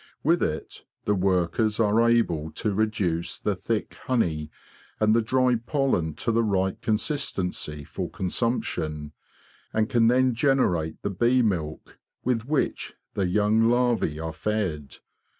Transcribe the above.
With it the workers are able to reduce the thick honey and the dry pollen to the right consistency for con sumption, and can then generate the bee milk with which the young larve are fed.